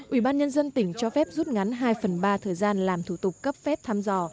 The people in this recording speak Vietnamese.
ủy ban nhân dân tỉnh cho phép rút ngắn hai phần ba thời gian làm thủ tục cấp phép thăm dò